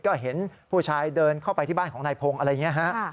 ก็เห็นผู้ชายเดินเข้าไปที่บ้านของนายพงศ์อะไรอย่างนี้ฮะ